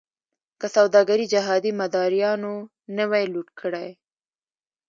که سوداګري جهادي مداریانو نه وی لوټ کړې.